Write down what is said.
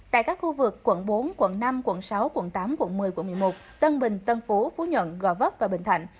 tại các khu vực quận bốn quận năm quận sáu quận tám quận một mươi quận một mươi một tân bình tân phú phú nhuận gò vấp và bình thạnh